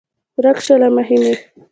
ورک شه له مخې مې!